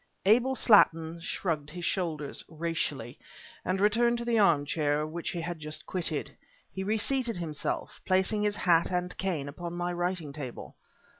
Abel Slattin shrugged his shoulders, racially, and returned to the armchair which he had just quitted. He reseated himself, placing his hat and cane upon my writing table.